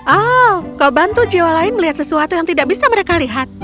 oh kau bantu jiwa lain melihat sesuatu yang tidak bisa mereka lihat